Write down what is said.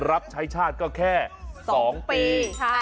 รับใช้ชาติก็แค่๒ปี